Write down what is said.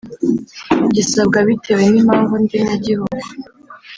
gisabwa bitewe n impamvu ndemyagihugu